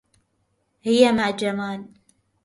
هي مع جمال.